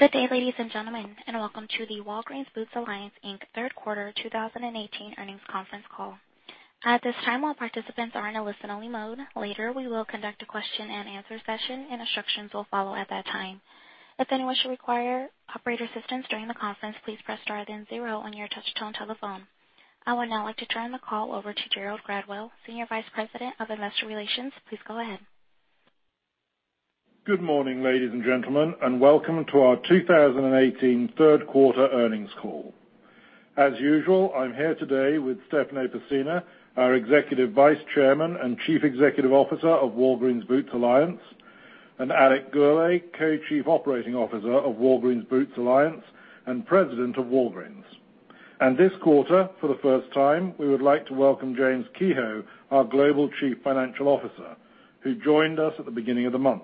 Good day, ladies and gentlemen, and welcome to the Walgreens Boots Alliance, Inc. third quarter 2018 earnings conference call. At this time, all participants are in a listen-only mode. Later, we will conduct a question and answer session, and instructions will follow at that time. If anyone should require operator assistance during the conference, please press star then zero on your touch-tone telephone. I would now like to turn the call over to Gerald Gradwell, Senior Vice President of Investor Relations. Please go ahead. Good morning, ladies and gentlemen, and welcome to our 2018 third quarter earnings call. As usual, I am here today with Stefano Pessina, our Executive Vice Chairman and Chief Executive Officer of Walgreens Boots Alliance, and Alex Gourlay, Co-Chief Operating Officer of Walgreens Boots Alliance and President of Walgreens. This quarter, for the first time, we would like to welcome James Kehoe, our Global Chief Financial Officer, who joined us at the beginning of the month.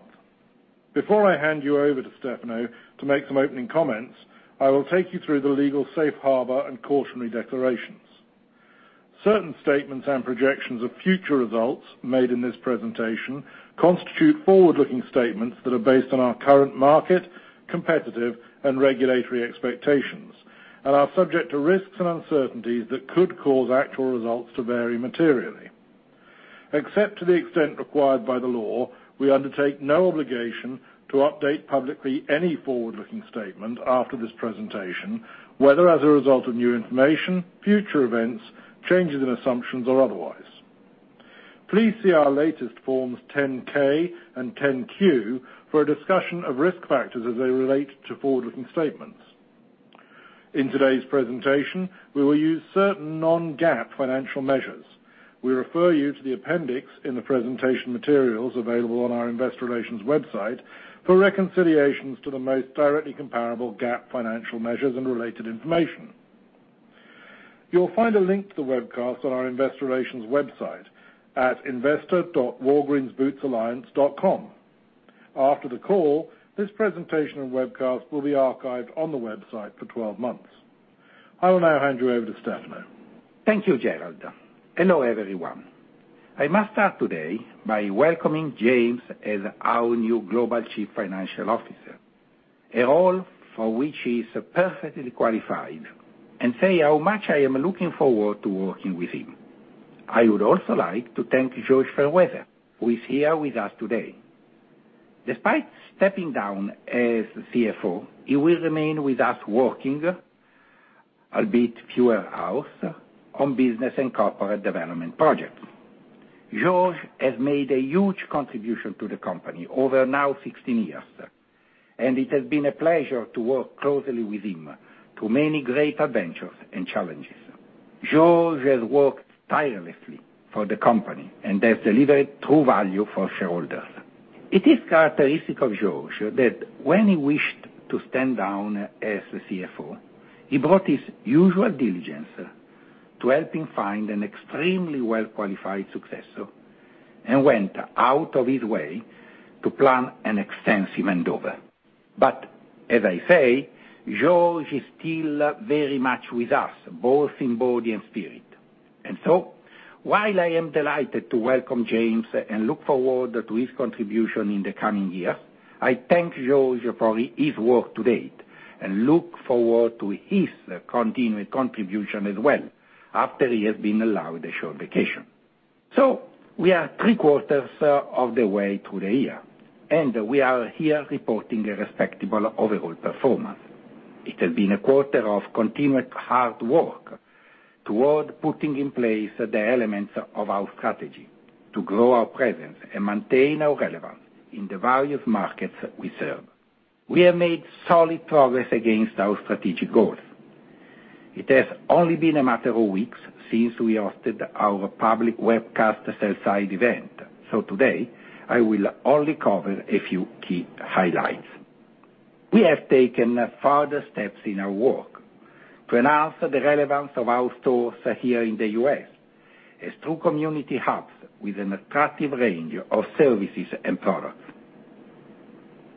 Before I hand you over to Stefano to make some opening comments, I will take you through the legal safe harbor and cautionary declarations. Certain statements and projections of future results made in this presentation constitute forward-looking statements that are based on our current market, competitive, and regulatory expectations and are subject to risks and uncertainties that could cause actual results to vary materially. Except to the extent required by the law, we undertake no obligation to update publicly any forward-looking statement after this presentation, whether as a result of new information, future events, changes in assumptions, or otherwise. Please see our latest Forms 10-K and 10-Q for a discussion of risk factors as they relate to forward-looking statements. In today's presentation, we will use certain non-GAAP financial measures. We refer you to the appendix in the presentation materials available on our investor relations website for reconciliations to the most directly comparable GAAP financial measures and related information. You will find a link to the webcast on our investor relations website at investor.walgreensbootsalliance.com. After the call, this presentation and webcast will be archived on the website for 12 months. I will now hand you over to Stefano. Thank you, Gerald. Hello, everyone. I must start today by welcoming James as our new Global Chief Financial Officer, a role for which he is perfectly qualified, and say how much I am looking forward to working with him. I would also like to thank George Fairweather, who is here with us today. Despite stepping down as CFO, he will remain with us working, albeit fewer hours, on business and corporate development projects. George has made a huge contribution to the company over now 16 years, and it has been a pleasure to work closely with him through many great adventures and challenges. George has worked tirelessly for the company and has delivered true value for shareholders. It is characteristic of George that when he wished to stand down as the CFO, he brought his usual diligence to helping find an extremely well-qualified successor and went out of his way to plan an extensive handover. As I say, George is still very much with us, both in body and spirit. While I am delighted to welcome James and look forward to his contribution in the coming year, I thank George for his work to date and look forward to his continued contribution as well, after he has been allowed a short vacation. We are three-quarters of the way through the year, and we are here reporting a respectable overall performance. It has been a quarter of continued hard work toward putting in place the elements of our strategy to grow our presence and maintain our relevance in the various markets we serve. We have made solid progress against our strategic goals. It has only been a matter of weeks since we hosted our public webcast sell-side event, so today, I will only cover a few key highlights. We have taken further steps in our work to enhance the relevance of our stores here in the U.S. as true community hubs with an attractive range of services and products.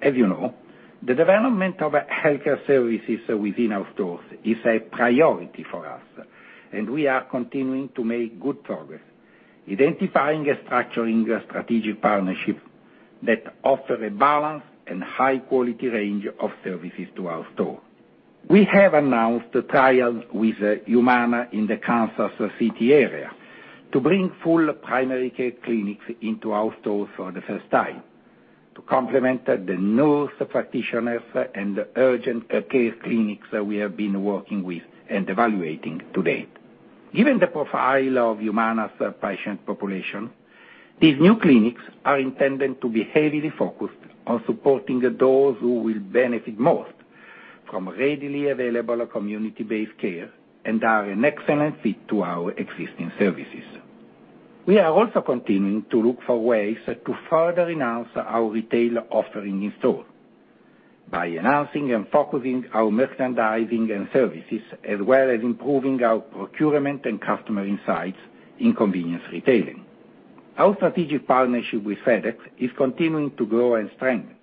As you know, the development of healthcare services within our stores is a priority for us, and we are continuing to make good progress identifying and structuring strategic partnerships that offer a balanced and high-quality range of services to our stores. We have announced a trial with Humana in the Kansas City area to bring full primary care clinics into our stores for the first time to complement the nurse practitioners and urgent care clinics that we have been working with and evaluating to date. Given the profile of Humana's patient population, these new clinics are intended to be heavily focused on supporting those who will benefit most from readily available community-based care and are an excellent fit to our existing services. We are also continuing to look for ways to further enhance our retail offering in-store by enhancing and focusing our merchandising and services as well as improving our procurement and customer insights in convenience retailing. Our strategic partnership with FedEx is continuing to grow and strengthen,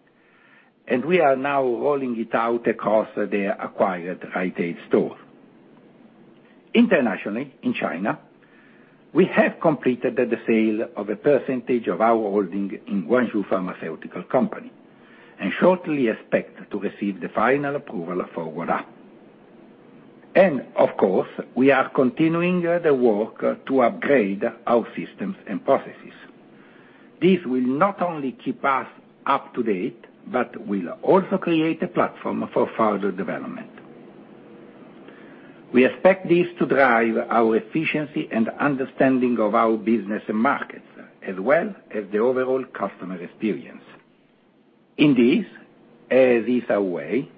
and we are now rolling it out across their acquired Rite Aid stores. Internationally, in China, we have completed the sale of a percentage of our holding in Guangzhou Pharmaceuticals Corp., and shortly expect to receive the final approval for wAIHA. Of course, we are continuing the work to upgrade our systems and processes. This will not only keep us up to date, but will also create a platform for further development. We expect this to drive our efficiency and understanding of our business and markets, as well as the overall customer experience. In this, as is our way,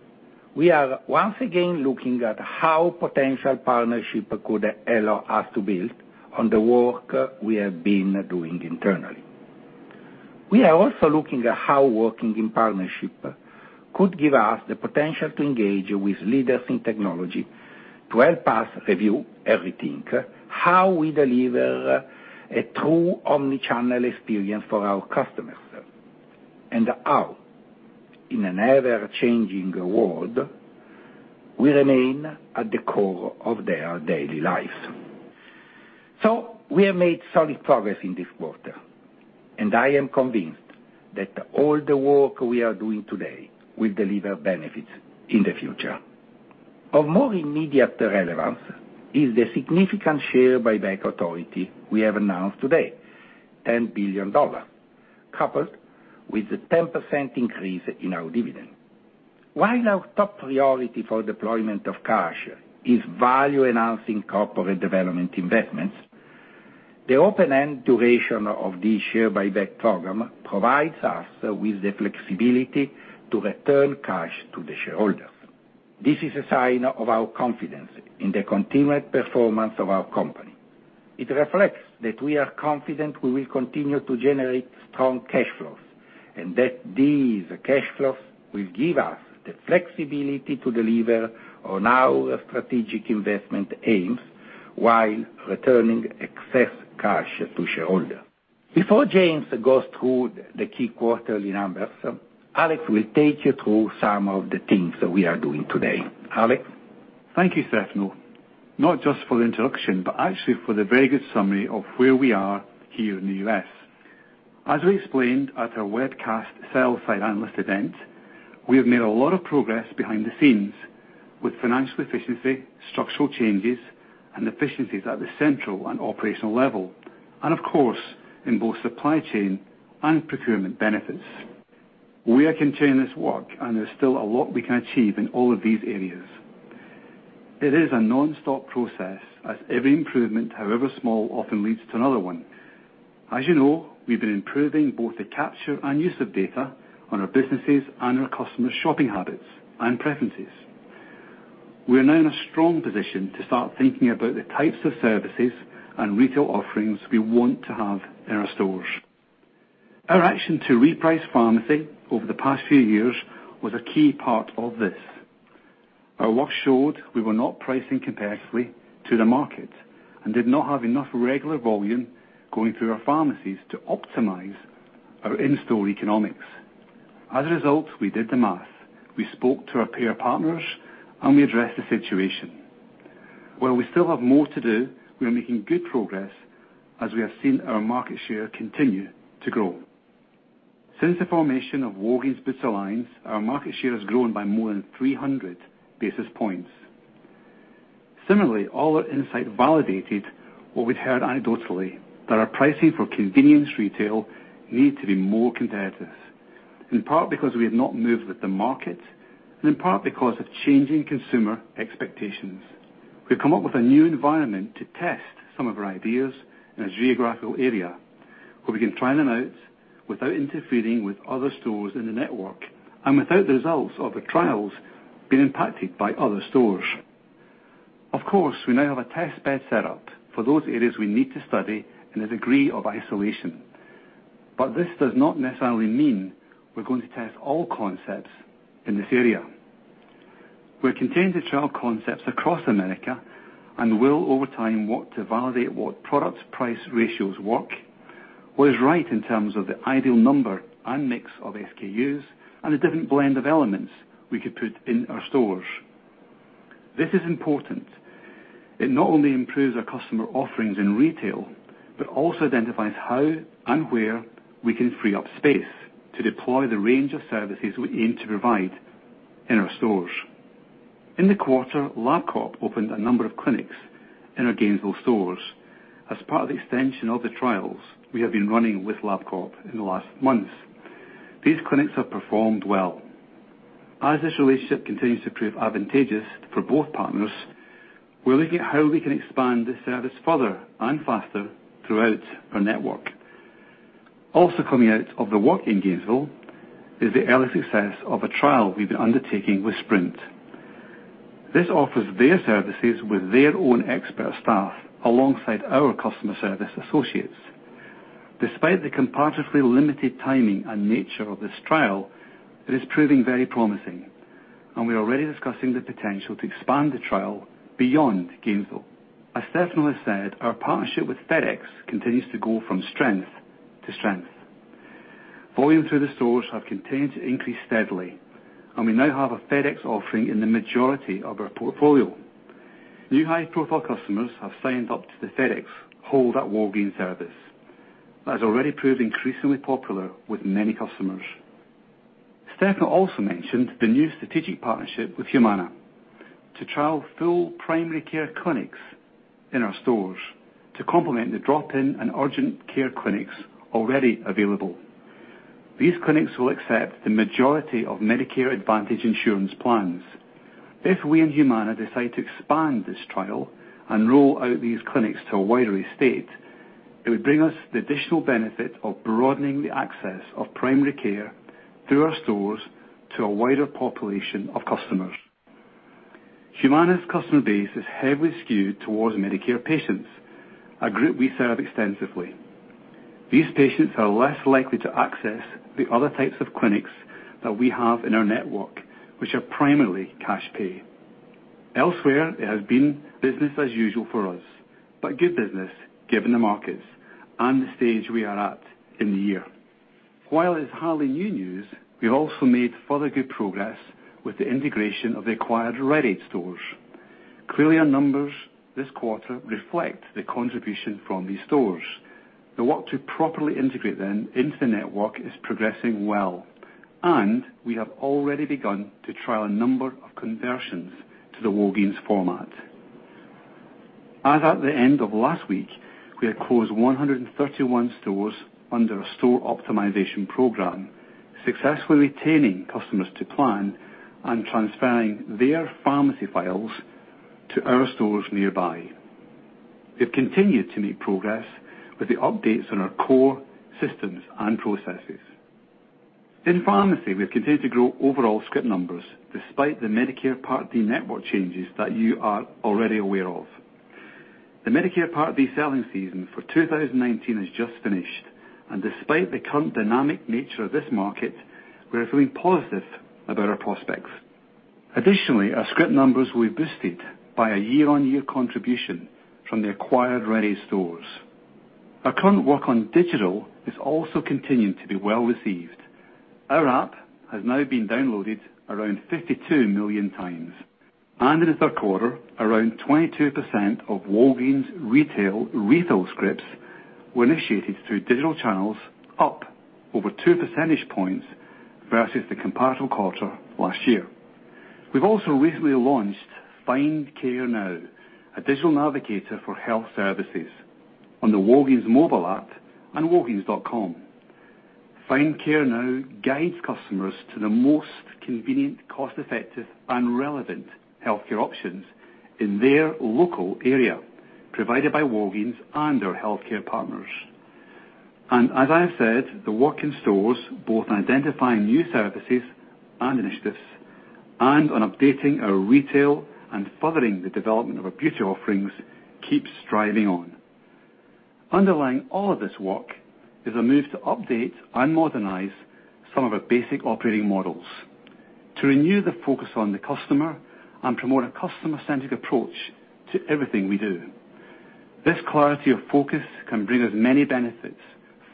we are once again looking at how potential partnership could allow us to build on the work we have been doing internally. We are also looking at how working in partnership could give us the potential to engage with leaders in technology to help us review and rethink how we deliver a true omnichannel experience for our customers. How, in an ever-changing world, we remain at the core of their daily lives. We have made solid progress in this quarter, and I am convinced that all the work we are doing today will deliver benefits in the future. Of more immediate relevance is the significant share buyback authority we have announced today, $10 billion, coupled with a 10% increase in our dividend. While our top priority for deployment of cash is value-enhancing corporate development investments, the open-end duration of this share buyback program provides us with the flexibility to return cash to the shareholders. This is a sign of our confidence in the continued performance of our company. It reflects that we are confident we will continue to generate strong cash flows, and that these cash flows will give us the flexibility to deliver on our strategic investment aims while returning excess cash to shareholders. Before James goes through the key quarterly numbers, Alex will take you through some of the things that we are doing today. Alex? Thank you, Stefano, not just for the introduction, but actually for the very good summary of where we are here in the U.S. As we explained at our webcast sell-side analyst event, we have made a lot of progress behind the scenes with financial efficiency, structural changes, and efficiencies at the central and operational level. Of course, in both supply chain and procurement benefits. We are continuing this work and there's still a lot we can achieve in all of these areas. It is a nonstop process as every improvement, however small, often leads to another one. As you know, we've been improving both the capture and use of data on our businesses and our customers' shopping habits and preferences. We are now in a strong position to start thinking about the types of services and retail offerings we want to have in our stores. Our action to reprice pharmacy over the past few years was a key part of this. Our work showed we were not pricing competitively to the market and did not have enough regular volume going through our pharmacies to optimize our in-store economics. As a result, we did the math, we spoke to our peer partners, and we addressed the situation. While we still have more to do, we are making good progress as we have seen our market share continue to grow. Since the formation of Walgreens Boots Alliance, our market share has grown by more than 300 basis points. Similarly, all our insight validated what we'd heard anecdotally, that our pricing for convenience retail needed to be more competitive, in part because we had not moved with the market, and in part because of changing consumer expectations. We've come up with a new environment to test some of our ideas in a geographical area where we can try them out without interfering with other stores in the network, and without the results of the trials being impacted by other stores. Of course, we now have a test bed set up for those areas we need to study in a degree of isolation. This does not necessarily mean we're going to test all concepts in this area. We're continuing to trial concepts across America and will over time work to validate what products, price ratios work, what is right in terms of the ideal number and mix of SKUs, and the different blend of elements we could put in our stores. This is important. It not only improves our customer offerings in retail, but also identifies how and where we can free up space to deploy the range of services we aim to provide in our stores. In the quarter, LabCorp opened a number of clinics in our Gainesville stores as part of the extension of the trials we have been running with LabCorp in the last months. These clinics have performed well. As this relationship continues to prove advantageous for both partners, we're looking at how we can expand this service further and faster throughout our network. Also coming out of the work in Gainesville is the early success of a trial we've been undertaking with Sprint. This offers their services with their own expert staff alongside our customer service associates. Despite the comparatively limited timing and nature of this trial, it is proving very promising. We are already discussing the potential to expand the trial beyond Gainesville. As Stefano has said, our partnership with FedEx continues to go from strength to strength. Volume through the stores have continued to increase steadily, and we now have a FedEx offering in the majority of our portfolio. New high-profile customers have signed up to the FedEx Hold at Walgreens service. That has already proved increasingly popular with many customers. Stefano also mentioned the new strategic partnership with Humana to trial full primary care clinics in our stores to complement the drop-in and urgent care clinics already available. These clinics will accept the majority of Medicare Advantage insurance plans. If we and Humana decide to expand this trial and roll out these clinics to a wider estate, it would bring us the additional benefit of broadening the access of primary care through our stores to a wider population of customers. Humana's customer base is heavily skewed towards Medicare patients, a group we serve extensively. These patients are less likely to access the other types of clinics that we have in our network, which are primarily cash pay. Elsewhere, it has been business as usual for us, but good business, given the markets and the stage we are at in the year. While it's hardly new news, we've also made further good progress with the integration of the acquired Rite Aid stores. Clearly, our numbers this quarter reflect the contribution from these stores. The work to properly integrate them into the network is progressing well, and we have already begun to trial a number of conversions to the Walgreens format. As at the end of last week, we had closed 131 stores under a store optimization program, successfully retaining customers to plan and transferring their pharmacy files to our stores nearby. We've continued to make progress with the updates on our core systems and processes. In pharmacy, we've continued to grow overall script numbers despite the Medicare Part D network changes that you are already aware of. The Medicare Part D selling season for 2019 has just finished, and despite the current dynamic nature of this market, we are feeling positive about our prospects. Additionally, our script numbers will be boosted by a year-on-year contribution from the acquired Rite Aid stores. Our current work on digital is also continuing to be well received. Our app has now been downloaded around 52 million times, and in the third quarter, around 22% of Walgreens retail refill scripts were initiated through digital channels, up over two percentage points versus the comparable quarter last year. We've also recently launched Walgreens Find Care, a digital navigator for health services on the Walgreens mobile app and walgreens.com. Walgreens Find Care guides customers to the most convenient, cost-effective, and relevant healthcare options in their local area, provided by Walgreens and our healthcare partners. As I have said, the work in stores, both in identifying new services and initiatives and on updating our retail and furthering the development of our future offerings, keeps striving on. Underlying all of this work is a move to update and modernize some of our basic operating models to renew the focus on the customer and promote a customer-centric approach to everything we do. This clarity of focus can bring us many benefits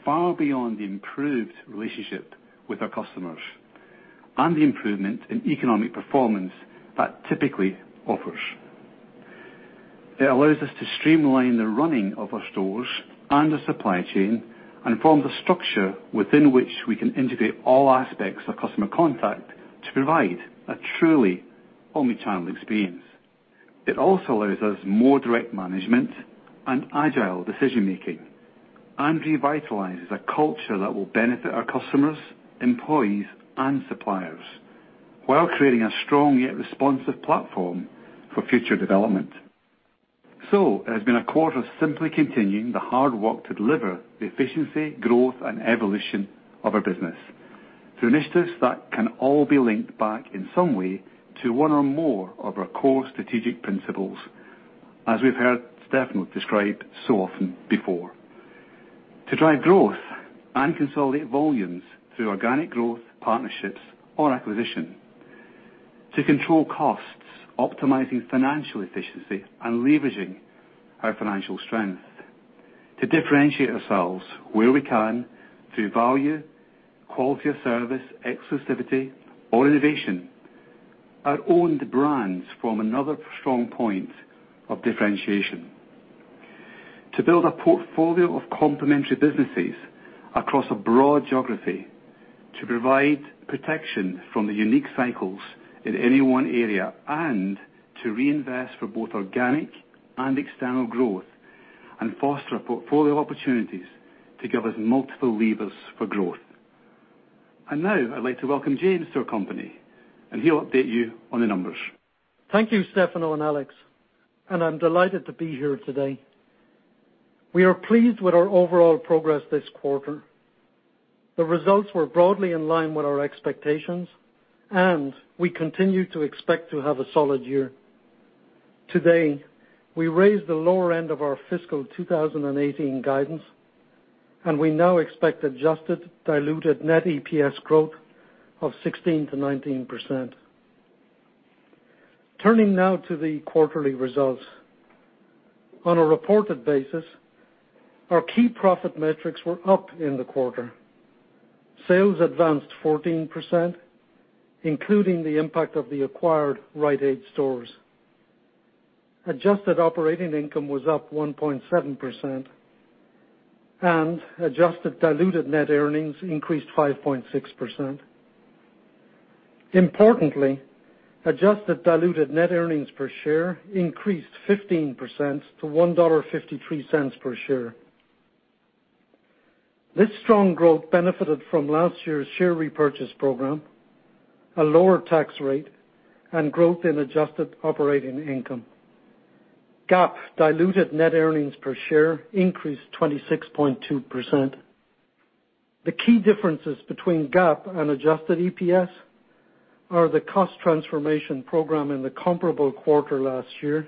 far beyond the improved relationship with our customers and the improvement in economic performance that typically offers. It allows us to streamline the running of our stores and the supply chain and form the structure within which we can integrate all aspects of customer contact to provide a truly omnichannel experience. It also allows us more direct management and agile decision-making and revitalizes a culture that will benefit our customers, employees, and suppliers while creating a strong yet responsive platform for future development. It has been a quarter of simply continuing the hard work to deliver the efficiency, growth, and evolution of our business through initiatives that can all be linked back in some way to one or more of our core strategic principles, as we've heard Steph describe so often before. To drive growth and consolidate volumes through organic growth, partnerships, or acquisition. To control costs, optimizing financial efficiency, and leveraging our financial strength. To differentiate ourselves where we can through value, quality of service, exclusivity, or innovation. Our own brands form another strong point of differentiation. To build a portfolio of complementary businesses across a broad geography to provide protection from the unique cycles in any one area and to reinvest for both organic and external growth and foster a portfolio of opportunities to give us multiple levers for growth. Now I'd like to welcome James to our company, and he'll update you on the numbers. Thank you, Stefano and Alex. I'm delighted to be here today. We are pleased with our overall progress this quarter. The results were broadly in line with our expectations, and we continue to expect to have a solid year. Today, we raised the lower end of our fiscal 2018 guidance, and we now expect adjusted diluted net EPS growth of 16%-19%. Turning now to the quarterly results. On a reported basis, our key profit metrics were up in the quarter. Sales advanced 14%, including the impact of the acquired Rite Aid stores. Adjusted operating income was up 1.7%, and adjusted diluted net earnings increased 5.6%. Importantly, adjusted diluted net earnings per share increased 15% to $1.53 per share. This strong growth benefited from last year's share repurchase program, a lower tax rate, and growth in adjusted operating income. GAAP diluted net earnings per share increased 26.2%. The key differences between GAAP and adjusted EPS are the cost transformation program in the comparable quarter last year,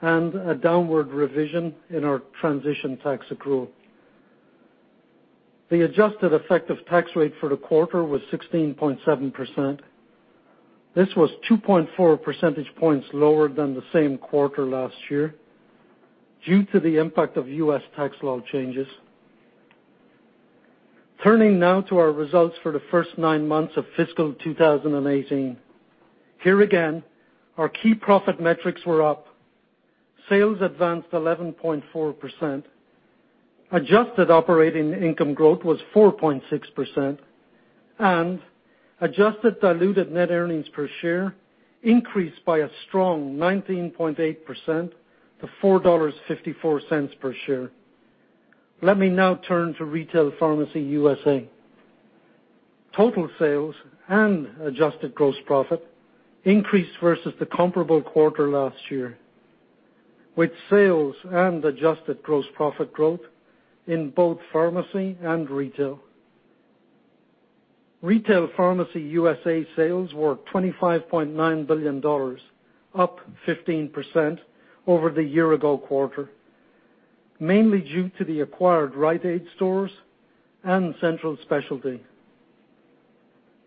and a downward revision in our transition tax accrual. The adjusted effective tax rate for the quarter was 16.7%. This was 2.4 percentage points lower than the same quarter last year due to the impact of U.S. tax law changes. Turning now to our results for the first nine months of fiscal 2018. Here again, our key profit metrics were up. Sales advanced 11.4%. Adjusted operating income growth was 4.6%, and adjusted diluted net earnings per share increased by a strong 19.8% to $4.54 per share. Let me now turn to Retail Pharmacy USA. Total sales and adjusted gross profit increased versus the comparable quarter last year, with sales and adjusted gross profit growth in both pharmacy and retail. Retail Pharmacy USA sales were $25.9 billion, up 15% over the year ago quarter, mainly due to the acquired Rite Aid stores and central specialty.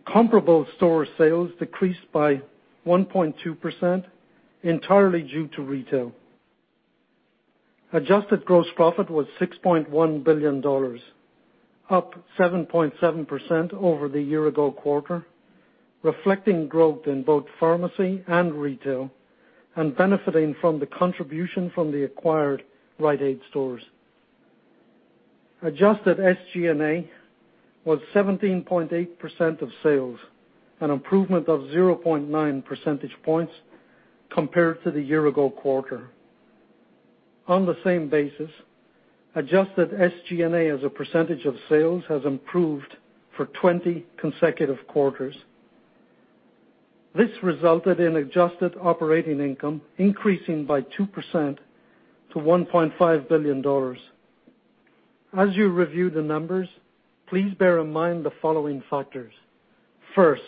Comparable store sales decreased by 1.2%, entirely due to retail. Adjusted gross profit was $6.1 billion, up 7.7% over the year ago quarter, reflecting growth in both pharmacy and retail, and benefiting from the contribution from the acquired Rite Aid stores. Adjusted SG&A was 17.8% of sales, an improvement of 0.9 percentage points compared to the year ago quarter. On the same basis, adjusted SG&A as a percentage of sales has improved for 20 consecutive quarters. This resulted in adjusted operating income increasing by 2% to $1.5 billion. As you review the numbers, please bear in mind the following factors. First,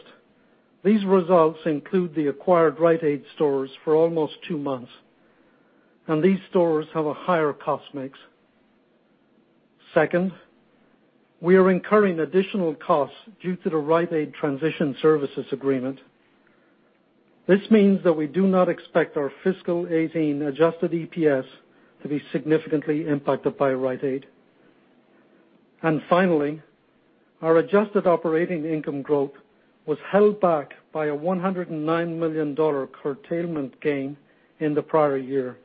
these results include the acquired Rite Aid stores for almost two months, and these stores have a higher cost mix. Second, we are incurring additional costs due to the Rite Aid transition services agreement. This means that we do not expect our fiscal 2018 adjusted EPS to be significantly impacted by Rite Aid. Finally, our adjusted operating income growth was held back by a $109 million curtailment gain in the prior year,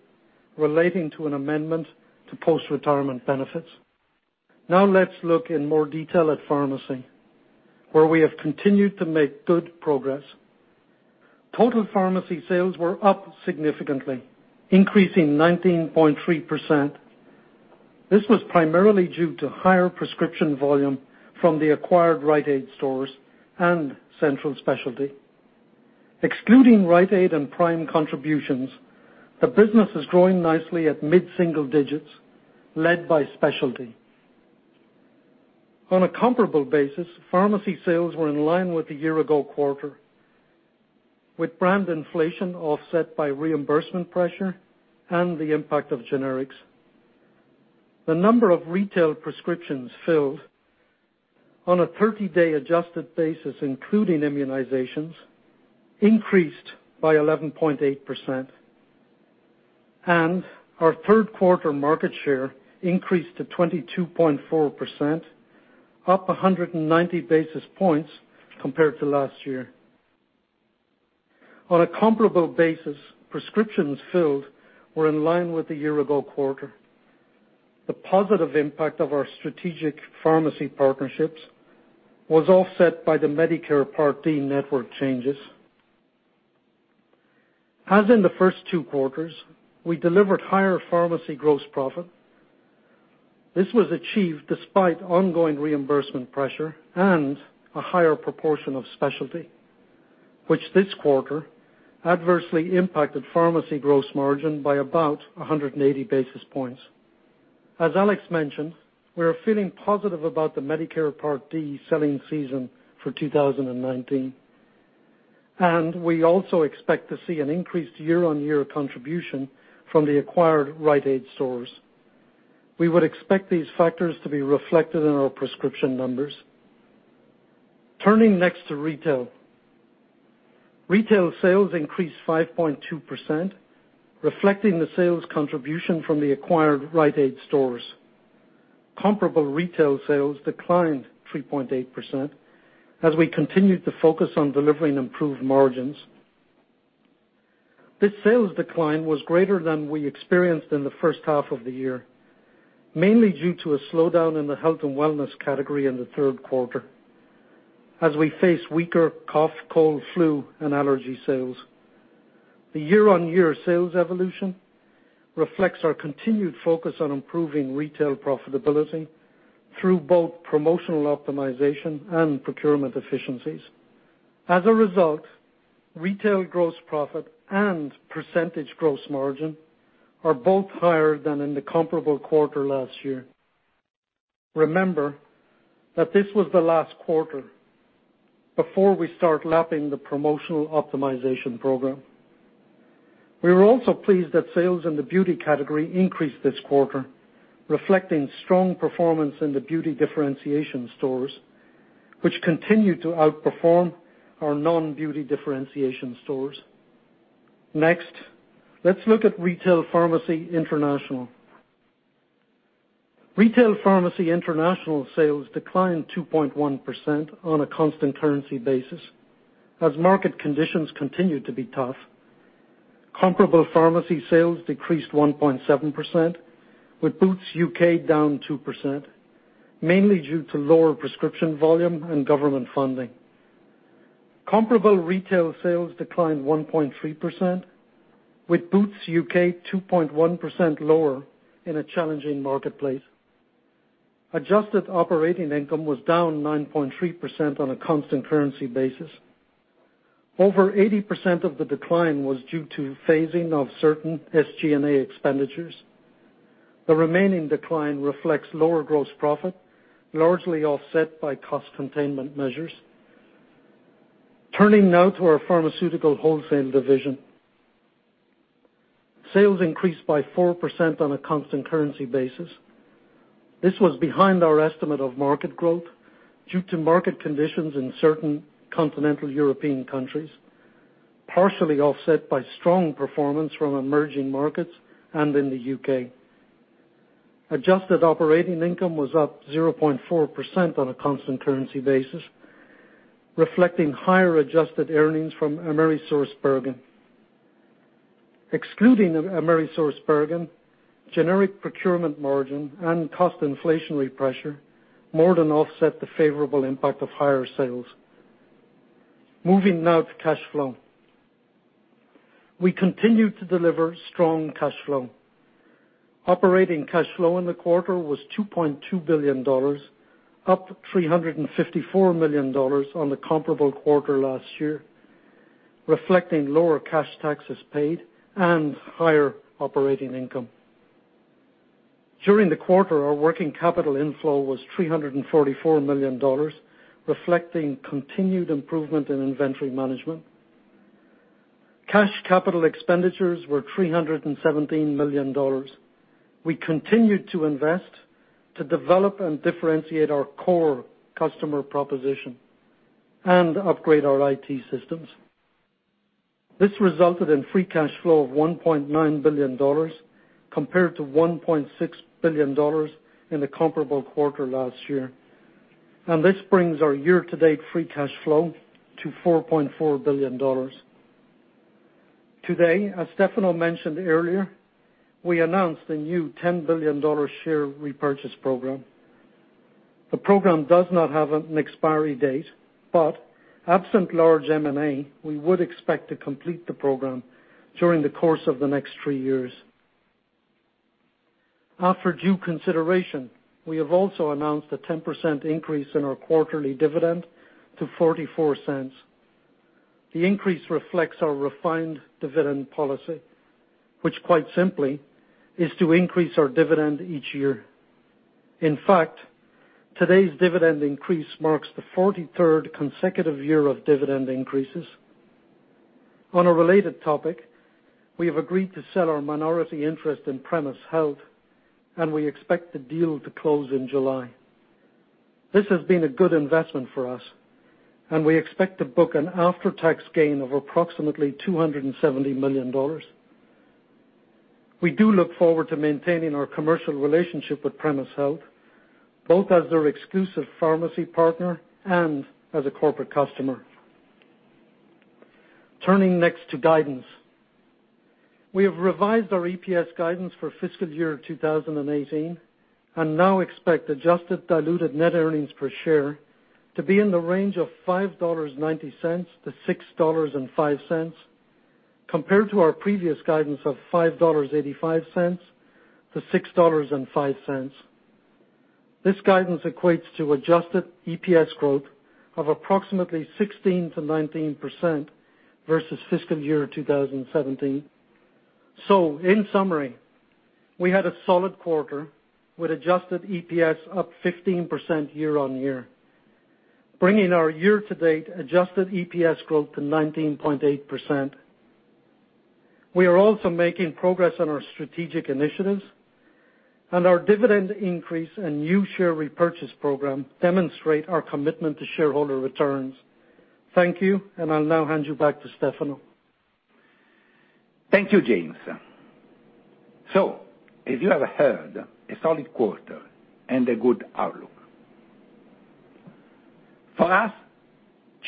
relating to an amendment to post-retirement benefits. Now let's look in more detail at pharmacy, where we have continued to make good progress. Total pharmacy sales were up significantly, increasing 19.3%. This was primarily due to higher prescription volume from the acquired Rite Aid stores and central specialty. Excluding Rite Aid and Prime Therapeutics contributions, the business is growing nicely at mid-single digits, led by specialty. On a comparable basis, pharmacy sales were in line with the year-ago quarter, with brand inflation offset by reimbursement pressure and the impact of generics. The number of retail prescriptions filled on a 30-day adjusted basis, including immunizations, increased by 11.8%. Our third quarter market share increased to 22.4%, up 190 basis points compared to last year. On a comparable basis, prescriptions filled were in line with the year-ago quarter. The positive impact of our strategic pharmacy partnerships was offset by the Medicare Part D network changes. As in the first two quarters, we delivered higher pharmacy gross profit. This was achieved despite ongoing reimbursement pressure and a higher proportion of specialty, which this quarter adversely impacted pharmacy gross margin by about 180 basis points. As Alex mentioned, we are feeling positive about the Medicare Part D selling season for 2019. We also expect to see an increased year-on-year contribution from the acquired Rite Aid stores. We would expect these factors to be reflected in our prescription numbers. Turning next to retail. Retail sales increased 5.2%, reflecting the sales contribution from the acquired Rite Aid stores. Comparable retail sales declined 3.8% as we continued to focus on delivering improved margins. This sales decline was greater than we experienced in the first half of the year, mainly due to a slowdown in the health and wellness category in the third quarter as we face weaker cough, cold, flu, and allergy sales. The year-on-year sales evolution reflects our continued focus on improving retail profitability through both promotional optimization and procurement efficiencies. As a result, retail gross profit and percentage gross margin are both higher than in the comparable quarter last year. Remember that this was the last quarter before we start lapping the promotional optimization program. We were also pleased that sales in the beauty category increased this quarter, reflecting strong performance in the beauty differentiation stores, which continue to outperform our non-beauty differentiation stores. Next, let's look at Retail Pharmacy International. Retail Pharmacy International sales declined 2.1% on a constant currency basis as market conditions continued to be tough. Comparable pharmacy sales decreased 1.7%, with Boots UK down 2%, mainly due to lower prescription volume and government funding. Comparable retail sales declined 1.3%, with Boots UK 2.1% lower in a challenging marketplace. Adjusted operating income was down 9.3% on a constant currency basis. Over 80% of the decline was due to phasing of certain SG&A expenditures. The remaining decline reflects lower gross profit, largely offset by cost containment measures. Turning now to our pharmaceutical wholesale division. Sales increased by 4% on a constant currency basis. This was behind our estimate of market growth due to market conditions in certain continental European countries, partially offset by strong performance from emerging markets and in the U.K. Adjusted operating income was up 0.4% on a constant currency basis, reflecting higher adjusted earnings from AmerisourceBergen. Excluding AmerisourceBergen, generic procurement margin and cost inflationary pressure more than offset the favorable impact of higher sales. Moving now to cash flow. We continued to deliver strong cash flow. Operating cash flow in the quarter was $2.2 billion, up $354 million on the comparable quarter last year, reflecting lower cash taxes paid and higher operating income. During the quarter, our working capital inflow was $344 million, reflecting continued improvement in inventory management. Cash capital expenditures were $317 million. We continued to invest to develop and differentiate our core customer proposition and upgrade our IT systems. This resulted in free cash flow of $1.9 billion, compared to $1.6 billion in the comparable quarter last year. This brings our year-to-date free cash flow to $4.4 billion. Today, as Stefano mentioned earlier, we announced a new $10 billion share repurchase program. The program does not have an expiry date, but absent large M&A, we would expect to complete the program during the course of the next three years. After due consideration, we have also announced a 10% increase in our quarterly dividend to $0.44. The increase reflects our refined dividend policy, which quite simply is to increase our dividend each year. In fact, today's dividend increase marks the 43rd consecutive year of dividend increases. On a related topic, we have agreed to sell our minority interest in Premise Health, we expect the deal to close in July. This has been a good investment for us, we expect to book an after-tax gain of approximately $270 million. We do look forward to maintaining our commercial relationship with Premise Health, both as their exclusive pharmacy partner and as a corporate customer. Turning next to guidance. We have revised our EPS guidance for fiscal year 2018, now expect adjusted diluted net earnings per share to be in the range of $5.90 to $6.05, compared to our previous guidance of $5.85 to $6.05. This guidance equates to adjusted EPS growth of approximately 16%-19% versus fiscal year 2017. In summary, we had a solid quarter with adjusted EPS up 15% year-on-year, bringing our year-to-date adjusted EPS growth to 19.8%. We are also making progress on our strategic initiatives, our dividend increase and new share repurchase program demonstrate our commitment to shareholder returns. Thank you, I'll now hand you back to Stefano. Thank you, James. If you have heard, a solid quarter and a good outlook. For us,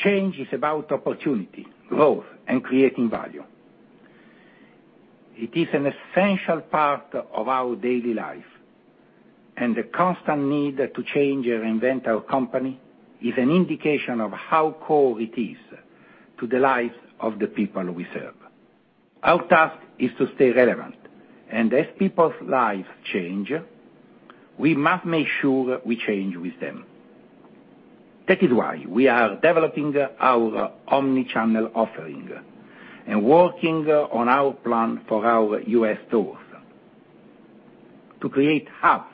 change is about opportunity, growth, and creating value. It is an essential part of our daily life, and the constant need to change and invent our company is an indication of how core it is to the lives of the people we serve. Our task is to stay relevant, and as people's lives change, we must make sure we change with them. That is why we are developing our omnichannel offering and working on our plan for our U.S. stores to create hubs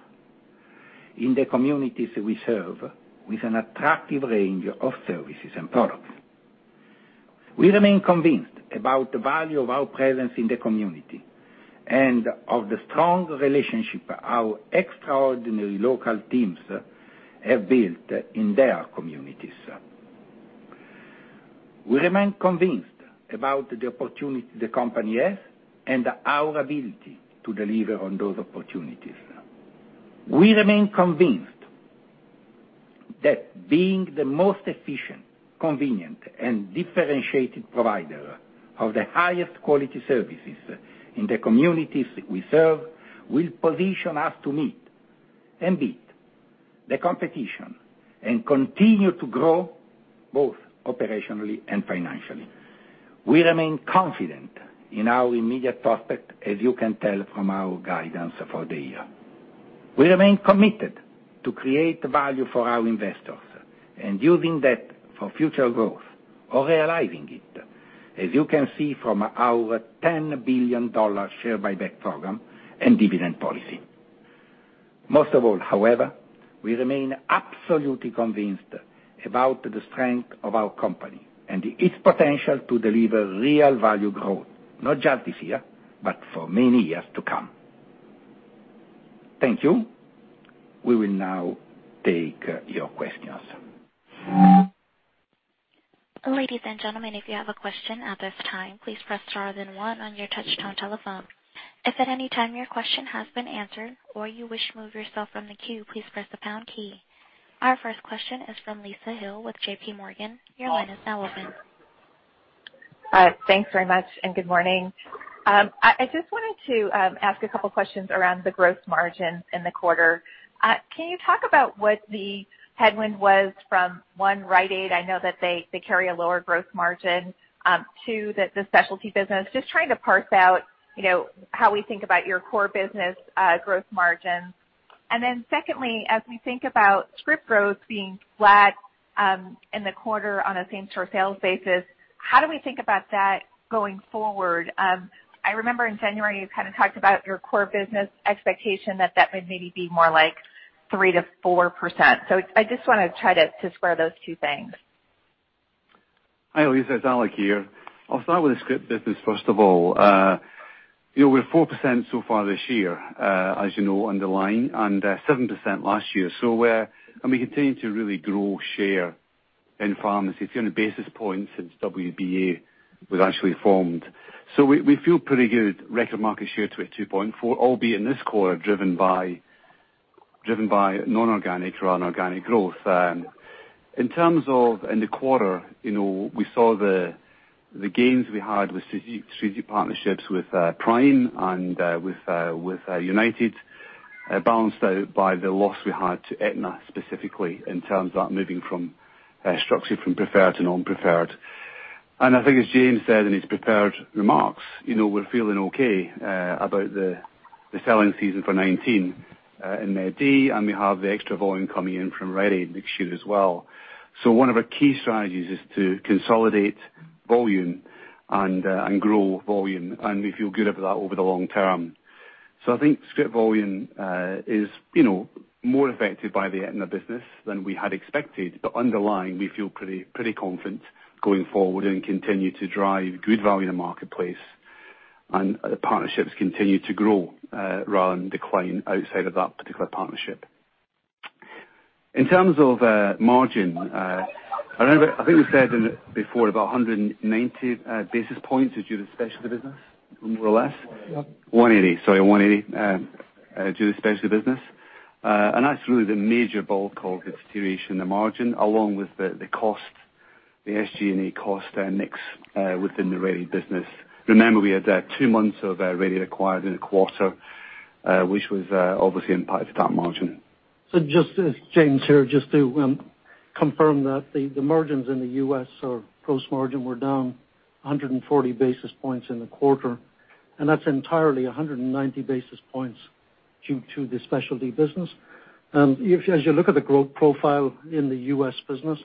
in the communities we serve with an attractive range of services and products. We remain convinced about the value of our presence in the community and of the strong relationship our extraordinary local teams have built in their communities. We remain convinced about the opportunity the company has and our ability to deliver on those opportunities. We remain convinced that being the most efficient, convenient, and differentiated provider of the highest quality services in the communities we serve will position us to meet and beat the competition and continue to grow both operationally and financially. We remain confident in our immediate prospect, as you can tell from our guidance for the year. We remain committed to create value for our investors and using that for future growth or realizing it, as you can see from our $10 billion share buyback program and dividend policy. Most of all, however, we remain absolutely convinced about the strength of our company and its potential to deliver real value growth, not just this year, but for many years to come. Thank you. We will now take your questions. Ladies and gentlemen, if you have a question at this time, please press star then one on your touch-tone telephone. If at any time your question has been answered or you wish to remove yourself from the queue, please press the pound key. Our first question is from Lisa Gill with JPMorgan. Your line is now open. Thanks very much and good morning. I just wanted to ask a couple questions around the gross margins in the quarter. Can you talk about what the headwind was from, 1, Rite Aid, I know that they carry a lower gross margin. 2, the specialty business. Just trying to parse out how we think about your core business gross margins. Secondly, as we think about script growth being flat in the quarter on a same-store sales basis, how do we think about that going forward? I remember in January, you kind of talked about your core business expectation that would maybe be more like 3%-4%. I just want to try to square those two things. Hi, Lisa, it's Alex here. I'll start with the script business first of all. We're 4% so far this year, as you know, underlying, and 7% last year. We continue to really grow share in pharmacy. It's the only basis point since WBA was actually formed. We feel pretty good. Record market share to a 2.4%, albeit in this quarter driven by non-organic or inorganic growth. In terms of in the quarter, we saw the gains we had with strategic partnerships with Prime and with United balanced out by the loss we had to Aetna specifically in terms of moving from structure from preferred to non-preferred. I think as James said in his prepared remarks, we're feeling okay about the selling season for 2019 in Part D, and we have the extra volume coming in from Rite Aid next year as well. One of our key strategies is to consolidate volume and grow volume, and we feel good about that over the long term. I think script volume is more affected by the Aetna business than we had expected, but underlying, we feel pretty confident going forward and continue to drive good value in the marketplace, and partnerships continue to grow rather than decline outside of that particular partnership. In terms of margin, I think we said before about 190 basis points is due to specialty business, more or less. Yeah. 180, sorry, 180 due to specialty business. That's really the major bulk of the deterioration in the margin, along with the cost, the SG&A cost mix within the Rite Aid business. Remember, we had two months of Rite Aid acquired in a quarter, which has obviously impacted that margin. Just as James here, just to confirm that the margins in the U.S. or gross margin were down 140 basis points in the quarter, and that's entirely 190 basis points due to the specialty business. As you look at the growth profile in the U.S. business,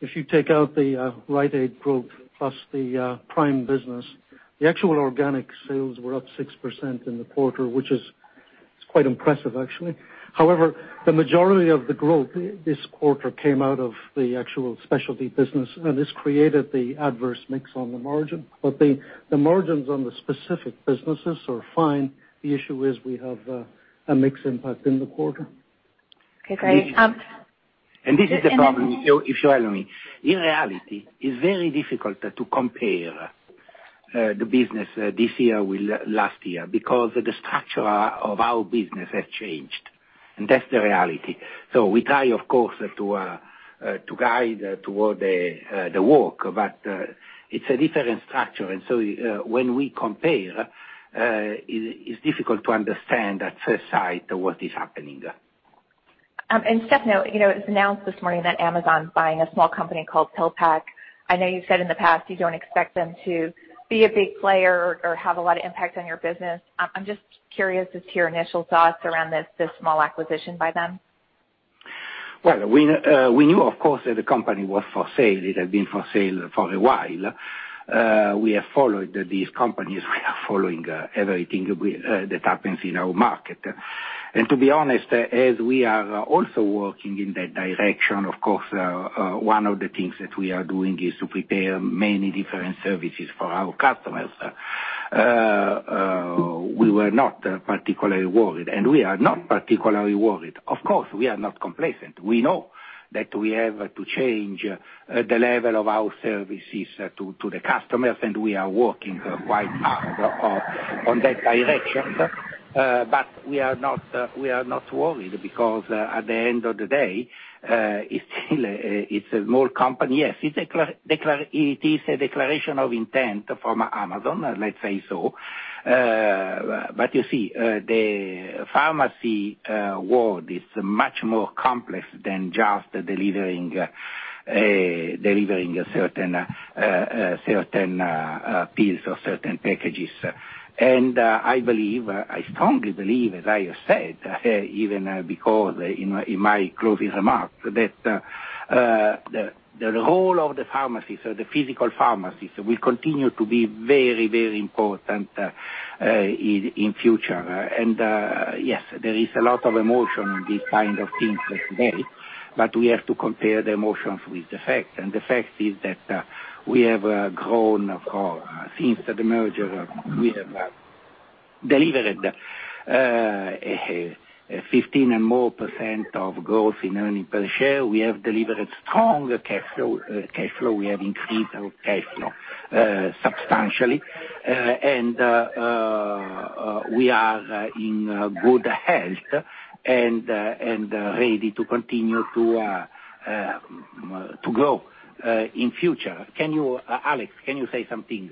if you take out the Rite Aid growth plus the Prime business, the actual organic sales were up 6% in the quarter, which is. It's quite impressive, actually. However, the majority of the growth this quarter came out of the actual specialty business, and this created the adverse mix on the margin. The margins on the specific businesses are fine. The issue is we have a mix impact in the quarter. Okay, great. This is the problem, if you allow me. In reality, it's very difficult to compare the business this year with last year, because the structure of our business has changed, and that's the reality. We try, of course, to guide toward the work, but it's a different structure. When we compare, it's difficult to understand at first sight what is happening. Stefano, it was announced this morning that Amazon's buying a small company called PillPack. I know you've said in the past you don't expect them to be a big player or have a lot of impact on your business. I'm just curious as to your initial thoughts around this small acquisition by them. Well, we knew, of course, that the company was for sale. It had been for sale for a while. We have followed these companies. We are following everything that happens in our market. To be honest, as we are also working in that direction, of course, one of the things that we are doing is to prepare many different services for our customers. We were not particularly worried, and we are not particularly worried. Of course, we are not complacent. We know that we have to change the level of our services to the customers, and we are working quite hard on that direction. We are not worried because, at the end of the day, it's still a small company. Yes, it is a declaration of intent from Amazon, let's say so. You see, the pharmacy world is much more complex than just delivering certain pills or certain packages. I believe, I strongly believe, as I have said, even because in my closing remarks, that the role of the pharmacies or the physical pharmacies will continue to be very, very important in future. Yes, there is a lot of emotion in these kind of things today. We have to compare the emotions with the facts. The fact is that we have grown since the merger. We have delivered 15% and more of growth in earning per share. We have delivered strong cash flow. We have increased our cash flow substantially. We are in good health and ready to continue to grow in future. Alex, can you say something?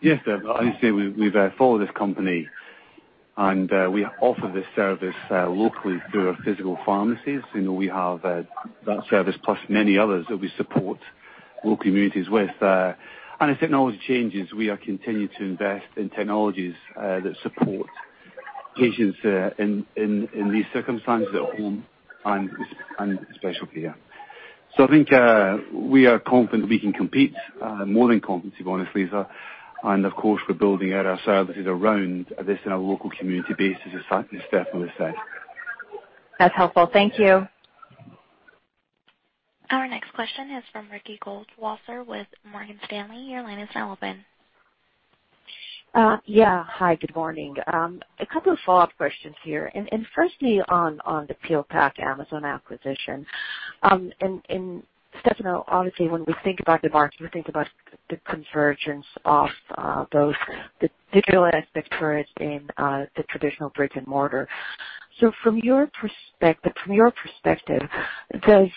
Yes. Obviously, we've followed this company. We offer this service locally through our physical pharmacies. We have that service plus many others that we support local communities with. As technology changes, we are continuing to invest in technologies that support patients in these circumstances at home and special care. I think we are confident we can compete, more than confident to be honest, Lisa. Of course, we're building out our services around this in a local community basis, as Stefano said. That's helpful. Thank you. Our next question is from Ricky Goldwasser with Morgan Stanley. Your line is now open. Yeah. Hi, good morning. A couple of follow-up questions here. Firstly, on the PillPack Amazon acquisition. Stefano, obviously when we think about the market, we think about the convergence of both the digital aspect for it and the traditional brick and mortar. From your perspective, does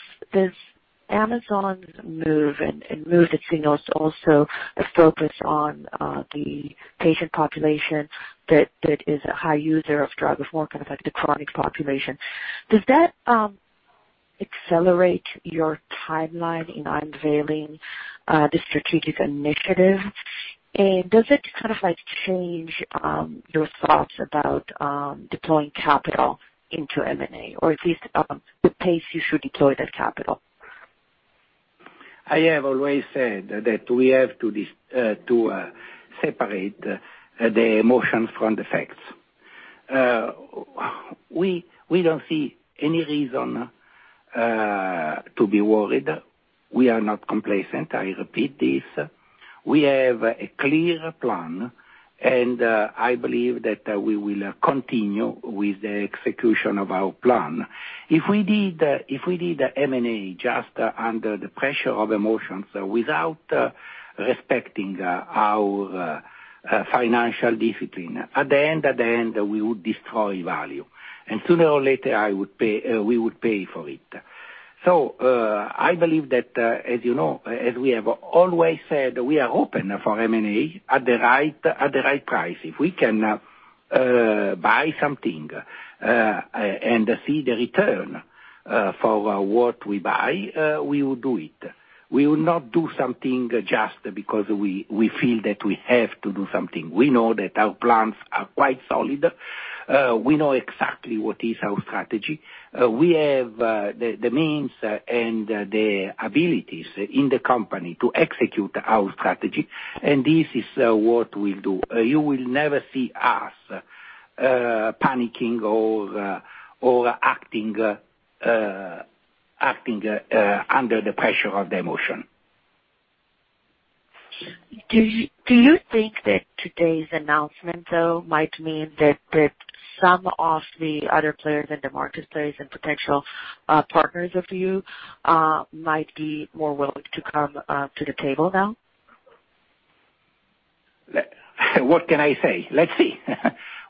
Amazon move and move, as you know, it's also a focus on the patient population that is a high user of drugs, more kind of like the chronic population. Does that accelerate your timeline in unveiling the strategic initiative? Does it kind of change your thoughts about deploying capital into M&A, or at least the pace you should deploy that capital? I have always said that we have to separate the emotions from the facts. We don't see any reason to be worried. We are not complacent, I repeat this. We have a clear plan. I believe that we will continue with the execution of our plan. If we did M&A just under the pressure of emotions, without respecting our financial discipline, at the end, we would destroy value. Sooner or later, we would pay for it. I believe that, as you know, as we have always said, we are open for M&A at the right price. If we can buy something and see the return for what we buy, we will do it. We will not do something just because we feel that we have to do something. We know that our plans are quite solid. We know exactly what is our strategy. We have the means and the abilities in the company to execute our strategy. This is what we'll do. You will never see us panicking or acting under the pressure of the emotion. Do you think that today's announcement, though, might mean that some of the other players in the marketplace and potential partners of you might be more willing to come to the table now? What can I say? Let's see.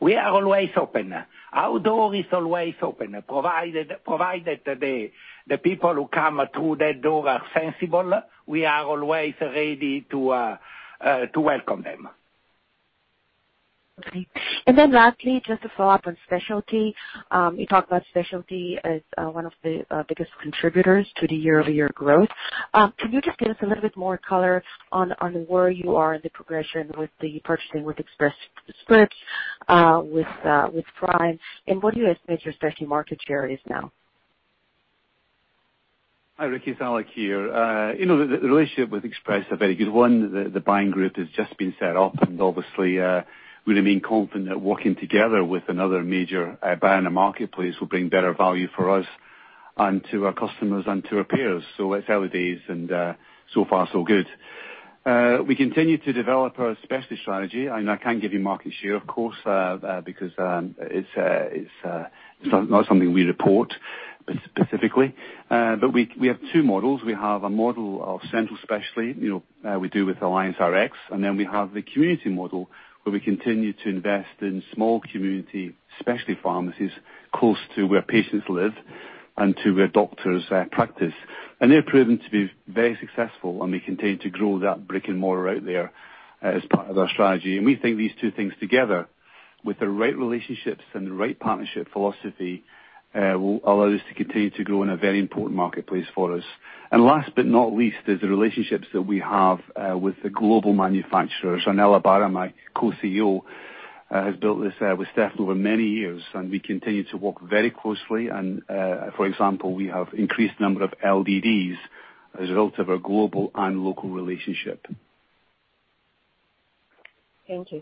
We are always open. Our door is always open, provided the people who come through that door are sensible, we are always ready to welcome them. Okay. Lastly, just to follow up on specialty, you talked about specialty as one of the biggest contributors to the year-over-year growth. Can you just give us a little bit more color on where you are in the progression with the purchasing with Express Scripts, with Prime, and what do you estimate your specialty market share is now? Hi, Ricky, it's Alex here. The relationship with Express is a very good one. Obviously, really remain confident that working together with another major buyer in the marketplace will bring better value for us and to our customers and to our peers. It's early days and so far so good. We continue to develop our specialty strategy, I can't give you market share, of course, because it's not something we report specifically. We have two models. We have a model of central specialty, we do with AllianceRx, then we have the community model, where we continue to invest in small community specialty pharmacies close to where patients live and to where doctors practice. They have proven to be very successful, we continue to grow that brick-and-mortar out there as part of our strategy. We think these two things together with the right relationships and the right partnership philosophy, will allow us to continue to grow in a very important marketplace for us. Last but not least, is the relationships that we have with the global manufacturers. Ornella Barra, my Co-CEO, has built this with Steph over many years, we continue to work very closely. For example, we have increased number of LDDs as a result of our global and local relationship. Thank you.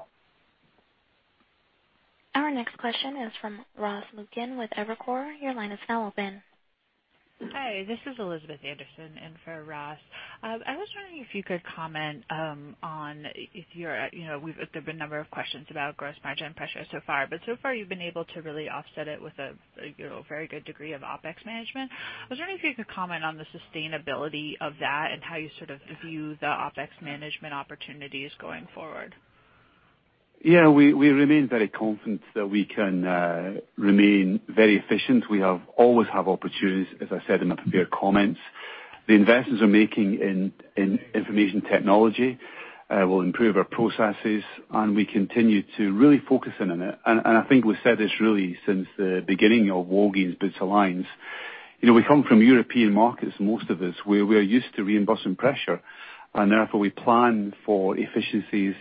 Our next question is from Ross Muken with Evercore. Your line is now open. Hi, this is Elizabeth Anderson in for Ross. I was wondering if you could comment on, there's been a number of questions about gross margin pressure so far. So far, you've been able to really offset it with a very good degree of OpEx management. I was wondering if you could comment on the sustainability of that and how you sort of view the OpEx management opportunities going forward. Yeah, we remain very confident that we can remain very efficient. We always have opportunities, as I said in my prepared comments. The investments we're making in information technology will improve our processes, and we continue to really focus in on it. I think we've said this really since the beginning of Walgreens Boots Alliance. We come from European markets, most of us, where we are used to reimbursing pressure. Therefore, we plan for efficiencies,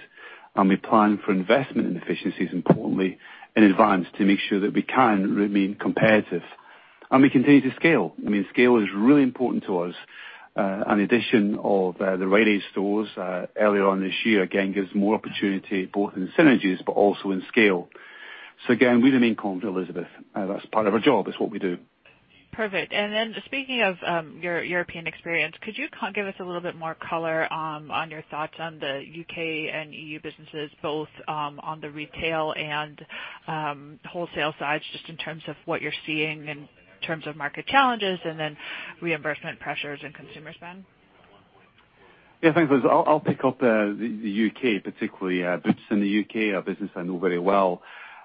and we plan for investment in efficiencies, importantly, in advance to make sure that we can remain competitive. We continue to scale. Scale is really important to us. Addition of the Rite Aid stores earlier on this year, again, gives more opportunity both in synergies but also in scale. Again, we remain confident, Elizabeth. That's part of our job. It's what we do. Perfect. Speaking of your European experience, could you give us a little bit more color on your thoughts on the U.K. and E.U. businesses, both on the retail and wholesale sides, just in terms of what you're seeing in terms of market challenges and reimbursement pressures and consumer spend? Yeah, thanks, Liz. I'll pick up the U.K., particularly Boots in the U.K., a business I know very well.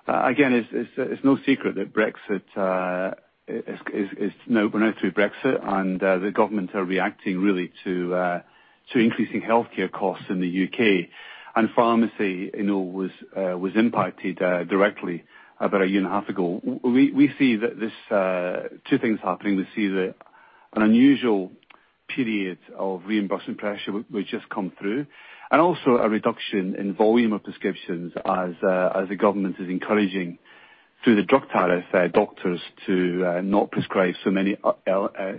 It's no secret that we're now through Brexit, and the government are reacting really to increasing healthcare costs in the U.K. Pharmacy was impacted directly about a year and a half ago. We see two things happening. We see an unusual period of reimbursing pressure, which has come through, and also a reduction in volume of prescriptions as the government is encouraging, through the Drug Tariff, doctors to not prescribe so many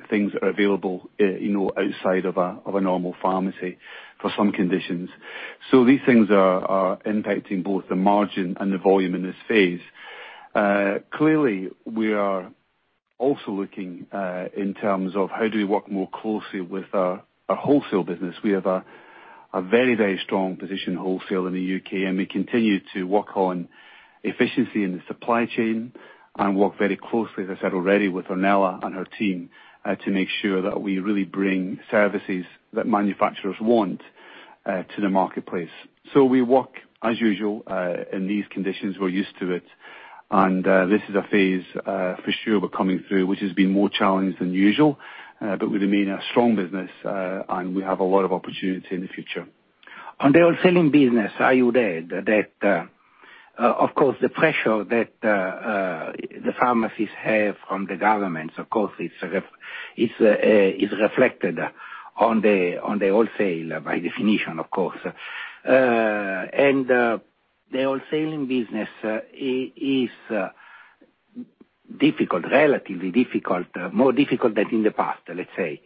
things that are available outside of a normal pharmacy for some conditions. These things are impacting both the margin and the volume in this phase. Clearly, we are also looking in terms of how do we work more closely with our wholesale business. We have a very strong position in wholesale in the U.K., we continue to work on efficiency in the supply chain and work very closely, as I said already, with Ornella and her team, to make sure that we really bring services that manufacturers want to the marketplace. We work as usual in these conditions. We're used to it. This is a phase, for sure, we're coming through, which has been more challenged than usual. We remain a strong business, and we have a lot of opportunity in the future. On the wholesaling business, I would add that, of course, the pressure that the pharmacies have from the government, of course, is reflected on the wholesale, by definition, of course. The wholesaling business is difficult, relatively difficult, more difficult than in the past, let's say,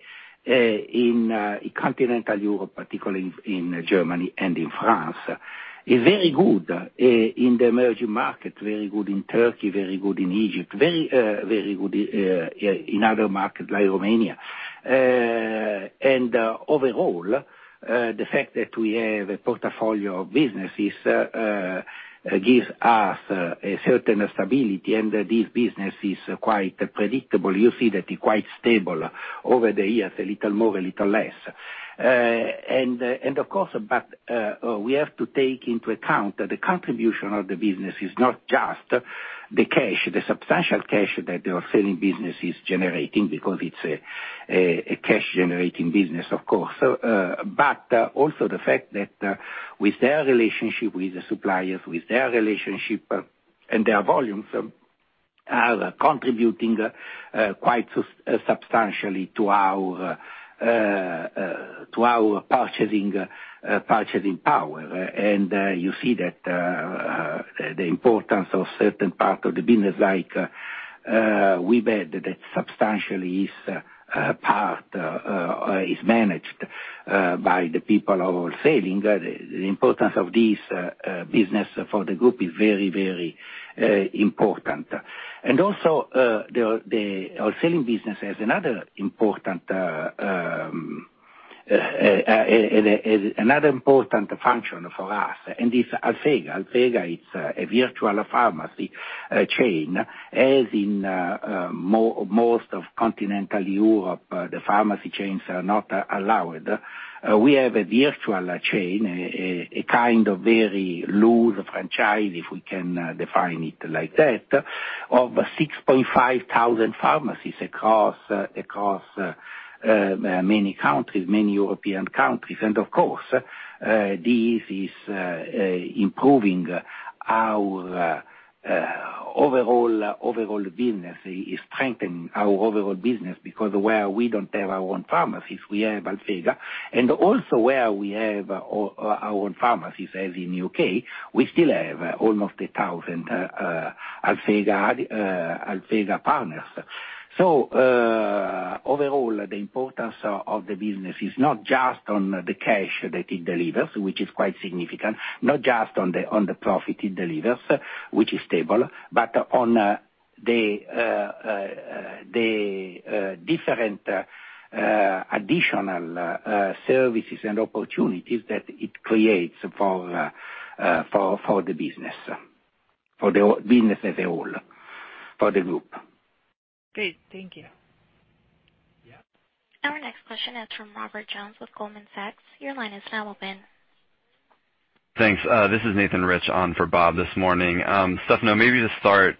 in continental Europe, particularly in Germany and in France. It's very good in the emerging markets, very good in Turkey, very good in Egypt, very good in other markets like Romania. Overall, the fact that we have a portfolio of businesses gives us a certain stability, and this business is quite predictable. You see that it's quite stable over the years, a little more, a little less. Of course, we have to take into account that the contribution of the business is not just the cash, the substantial cash that the wholesaling business is generating, because it's a cash-generating business, of course. Also, the fact that with their relationship with the suppliers, with their relationship and their volumes, are contributing quite substantially to our purchasing power. You see that the importance of certain parts of the business like WBAD, that substantially is managed by the people of wholesaling. The importance of this business for the group is very important. Also, the wholesaling business has another important function for us, and it's Alphega. Alphega is a virtual pharmacy chain. As in most of continental Europe, the pharmacy chains are not allowed. We have a virtual chain, a kind of very loose franchise, if we can define it like that, of 6.5 thousand pharmacies across many countries, many European countries. Of course, this is improving our overall business. It is strengthening our overall business because where we don't have our own pharmacies, we have Alphega. Also, where we have our own pharmacies, as in U.K., we still have almost a thousand Alphega partners. Overall, the importance of the business is not just on the cash that it delivers, which is quite significant, not just on the profit it delivers, which is stable, but on the different additional services and opportunities that it creates for the business as a whole, for the group. Great. Thank you. Yeah. Our next question is from Robert Jones with Goldman Sachs. Your line is now open. Thanks. This is Nathan Rich on for Bob this morning. Stefano, maybe to start,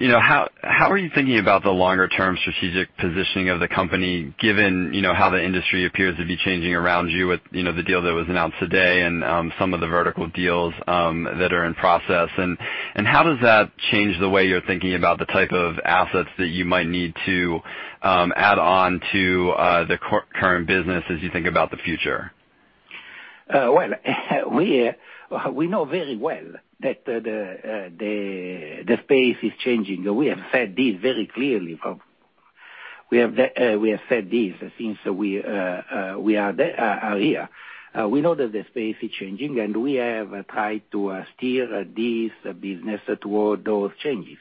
how are you thinking about the longer term strategic positioning of the company, given how the industry appears to be changing around you with the deal that was announced today and some of the vertical deals that are in process? How does that change the way you're thinking about the type of assets that you might need to add on to the current business as you think about the future? Well, we know very well that the space is changing. We have said this very clearly. We have said this since we are here. We know that the space is changing. We have tried to steer this business toward those changes.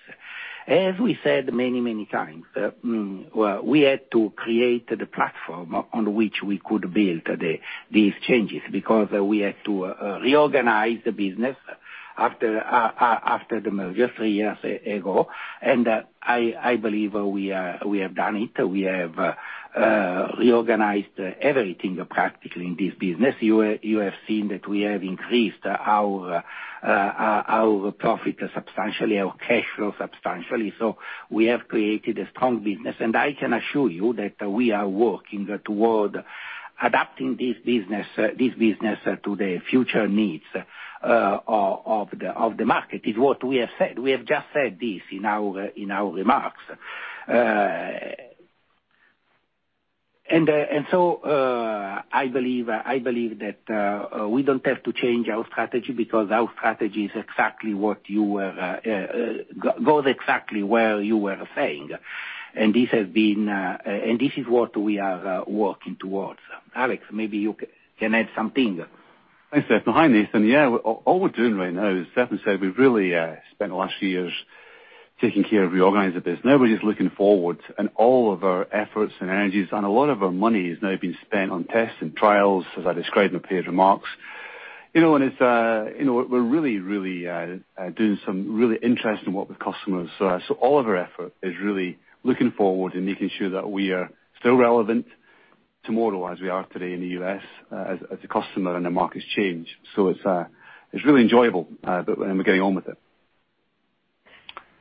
As we said many times, we had to create the platform on which we could build these changes because we had to reorganize the business after the merger three years ago. I believe we have done it. We have reorganized everything, practically, in this business. You have seen that we have increased our profit substantially, our cash flow substantially. We have created a strong business, and I can assure you that we are working toward adapting this business to the future needs of the market. It's what we have said. We have just said this in our remarks. I believe that we don't have to change our strategy because our strategy goes exactly where you were saying, and this is what we are working towards. Alex, maybe you can add something. Thanks, Stefano. Hi, Nathan. Yeah, all we're doing right now, as Stefano said, we've really spent the last few years taking care of reorganizing the business. Now we're just looking forward, and all of our efforts and energies and a lot of our money has now been spent on tests and trials, as I described in the prepared remarks. We're really doing some really interesting work with customers. All of our effort is really looking forward and making sure that we are still relevant tomorrow as we are today in the U.S., as a customer and the market's changed. It's really enjoyable, but we're getting on with it.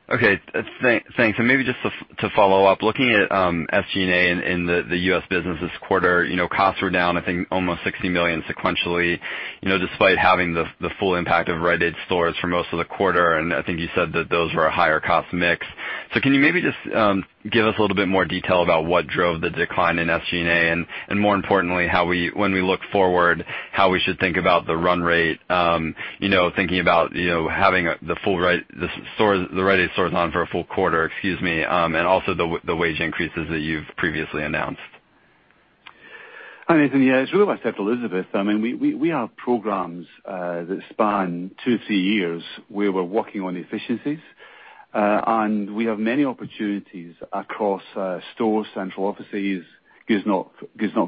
Okay, thanks. Maybe just to follow up, looking at SG&A in the U.S. business this quarter, costs were down, I think, almost $60 million sequentially despite having the full impact of Rite Aid stores for most of the quarter, and I think you said that those were a higher cost mix. Can you maybe just give us a little bit more detail about what drove the decline in SG&A, and more importantly, when we look forward, how we should think about the run rate, thinking about having the Rite Aid stores on for a full quarter, and also the wage increases that you've previously announced? Hi, Nathan. Yeah, it's really what I said to Elizabeth. We have programs that span two, three years, where we're working on efficiencies. We have many opportunities across stores, central offices, goods not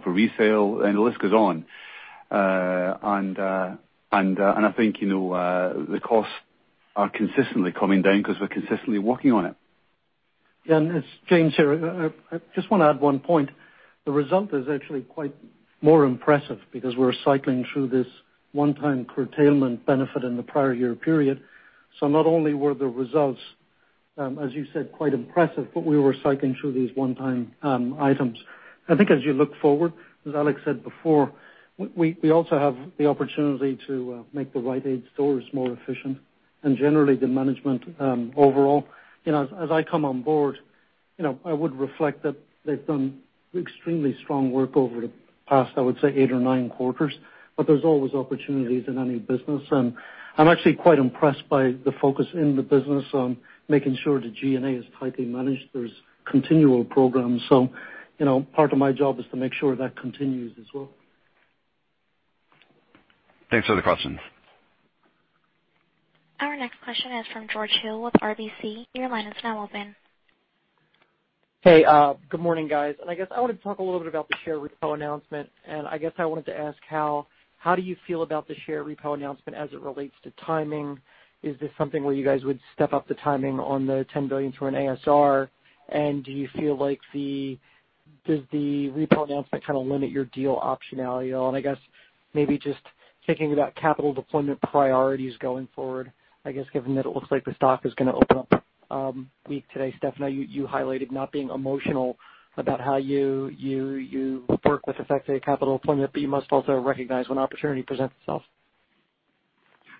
for resale, and the list goes on. I think the costs are consistently coming down because we're consistently working on it. Yeah. It's James here. I just want to add one point. The result is actually quite more impressive because we're cycling through this one-time curtailment benefit in the prior year period. Not only were the results, as you said, quite impressive, but we were cycling through these one-time items. I think as you look forward, as Alex said before, we also have the opportunity to make the Rite Aid stores more efficient and generally the management, overall. As I come on board, I would reflect that they've done extremely strong work over the past, I would say, eight or nine quarters, but there's always opportunities in any business, and I'm actually quite impressed by the focus in the business on making sure the G&A is tightly managed. There's continual programs. Part of my job is to make sure that continues as well. Thanks for the question. Our next question is from George Hill with RBC. Your line is now open. Hey, good morning, guys. I guess I want to talk a little bit about the share repo announcement. I guess I wanted to ask how do you feel about the share repo announcement as it relates to timing? Is this something where you guys would step up the timing on the $10 billion through an ASR? Do you feel like the repo announcement kind of limit your deal optionality at all? I guess maybe just thinking about capital deployment priorities going forward, I guess given that it looks like the stock is going to open up weak today. Stefano, you highlighted not being emotional about how you work with effective capital deployment, but you must also recognize when opportunity presents itself.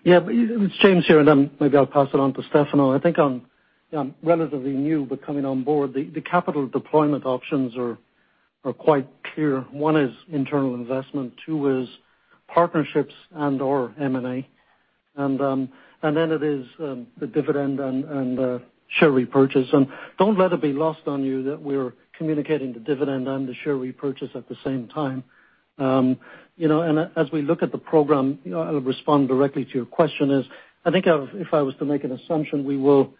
Yeah. It's James here, then maybe I'll pass it on to Stefano. I think I'm relatively new, but coming on board, the capital deployment options are quite clear. One is internal investment, two is partnerships and/or M&A. Then it is the dividend and share repurchase. Don't let it be lost on you that we're communicating the dividend and the share repurchase at the same time. As we look at the program, I'll respond directly to your question is, I think if I was to make an assumption, we will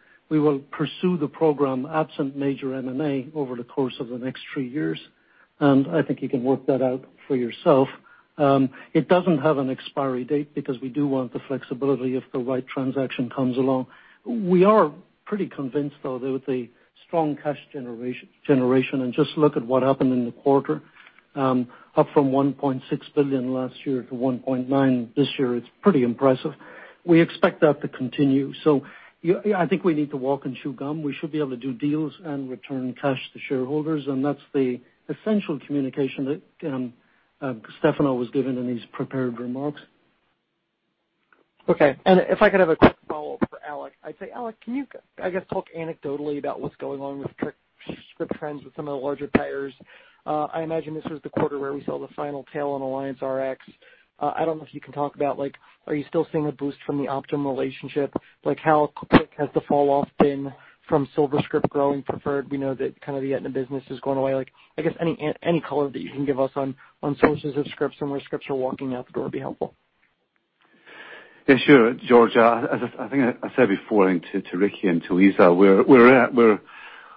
pursue the program absent major M&A over the course of the next three years, and I think you can work that out for yourself. It doesn't have an expiry date because we do want the flexibility if the right transaction comes along. We are pretty convinced, though, that with the strong cash generation, just look at what happened in the quarter. Up from $1.6 billion last year to $1.9 this year. It's pretty impressive. We expect that to continue. I think we need to walk and chew gum. We should be able to do deals and return cash to shareholders, and that's the essential communication that Stefano was given in his prepared remarks. Okay. If I could have a quick follow-up for Alex. I'd say, Alex, can you, I guess, talk anecdotally about what's going on with script trends with some of the larger payers? I imagine this was the quarter where we saw the final tail on AllianceRx. I don't know if you can talk about, are you still seeing a boost from the Optum relationship? How quick has the fall-off been from SilverScript growing preferred? We know that kind of the Aetna business is going away. I guess any color that you can give us on sources of scripts and where scripts are walking out the door would be helpful. Yeah, sure. George, I think I said before, I think to Ricky and to Lisa,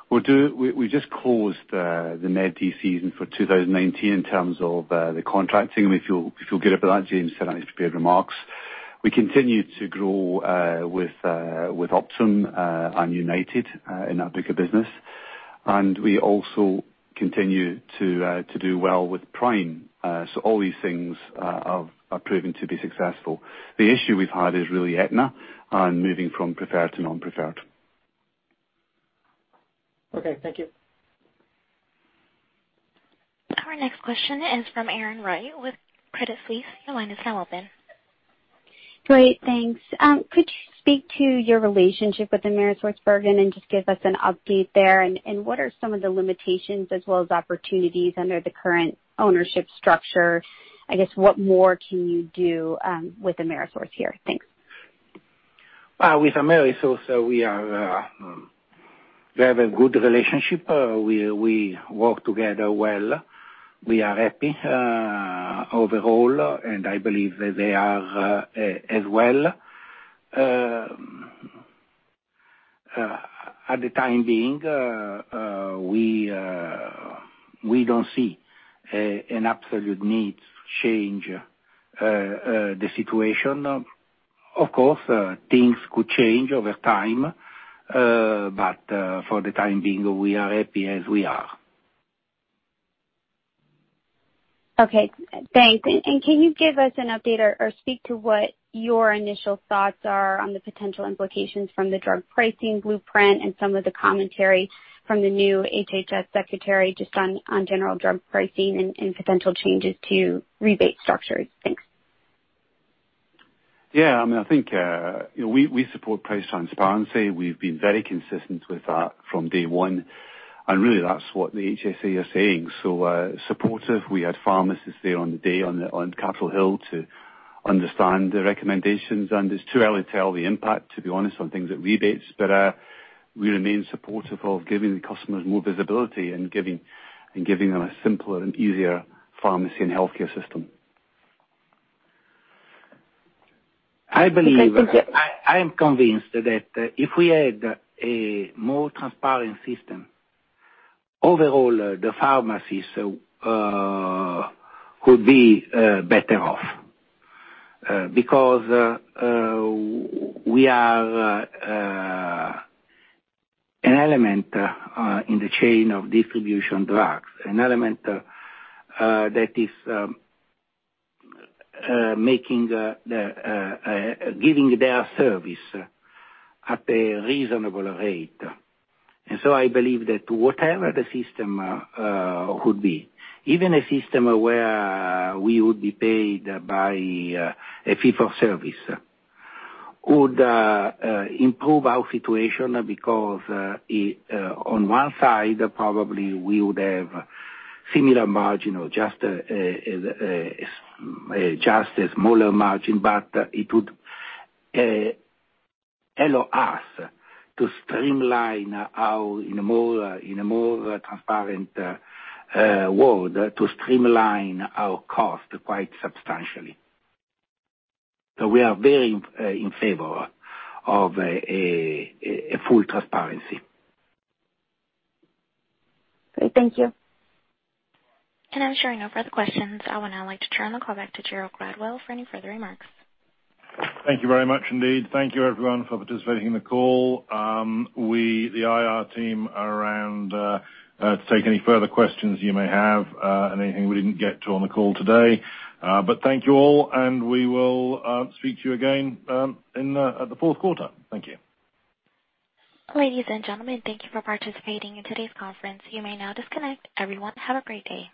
we just closed the Part D season for 2019 in terms of the contracting. If you'll get up to that, James said on his prepared remarks. We continue to grow with Optum and United in that bigger business. We also continue to do well with Prime. All these things are proving to be successful. The issue we've had is really Aetna and moving from preferred to non-preferred. Okay. Thank you. Our next question is from Erin Wright with Credit Suisse. Your line is now open. Great. Thanks. Could you speak to your relationship with AmerisourceBergen and just give us an update there, and what are some of the limitations as well as opportunities under the current ownership structure? I guess what more can you do with Amerisource here? Thanks. With Amerisource, we have a good relationship. We work together well. We are happy overall, and I believe they are as well. At the time being, we don't see an absolute need to change the situation. Of course, things could change over time, but for the time being, we are happy as we are. Okay. Thanks. Can you give us an update or speak to what your initial thoughts are on the potential implications from the drug pricing blueprint and some of the commentary from the new HHS secretary just on general drug pricing and potential changes to rebate structures? Thanks. Yeah, I think we support price transparency. We've been very consistent with that from day one, and really that's what the HHS are saying. Supportive. We had pharmacists there on the day on Capitol Hill to understand the recommendations, and it's too early to tell the impact, to be honest on things like rebates. We remain supportive of giving the customers more visibility and giving them a simpler and easier pharmacy and healthcare system. I believe. Okay, thank you. I am convinced that if we had a more transparent system, overall, the pharmacies could be better off. Because we are an element in the chain of distribution drugs, an element that is giving their service at a reasonable rate. I believe that whatever the system could be, even a system where we would be paid by a fee-for-service, would improve our situation because, on one side, probably we would have similar margin or just a smaller margin, but it would allow us to streamline, in a more transparent world, to streamline our cost quite substantially. We are very in favor of a full transparency. Great. Thank you. I'm showing no further questions. I would now like to turn the call back to Gerald Gradwell for any further remarks. Thank you very much indeed. Thank you everyone for participating in the call. We, the IR team, are around to take any further questions you may have, and anything we didn't get to on the call today. Thank you all, and we will speak to you again at the fourth quarter. Thank you. Ladies and gentlemen, thank you for participating in today's conference. You may now disconnect. Everyone, have a great day.